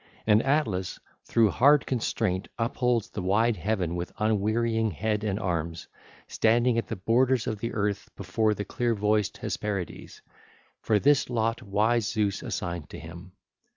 And Atlas through hard constraint upholds the wide heaven with unwearying head and arms, standing at the borders of the earth before the clear voiced Hesperides; for this lot wise Zeus assigned to him.